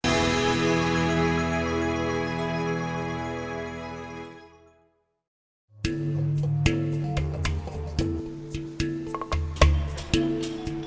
dimenggakkan ruang peta